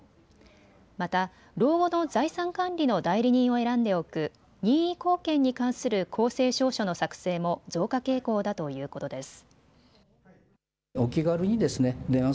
また老後の財産管理の代理人を選んでおく任意後見に関する公正証書の作成も増加傾向だということです。